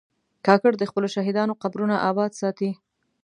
کاکړ د خپلو شهیدانو قبرونه آباد ساتي.